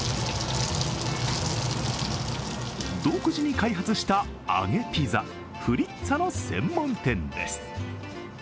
独自に開発した揚げピザ＝フリッツァの専門店です。